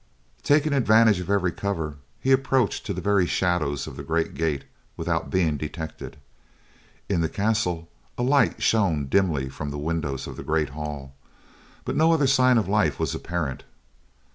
Taking advantage of every cover, he approached to the very shadows of the great gate without being detected. In the castle, a light shone dimly from the windows of the great hall, but no other sign of life was apparent.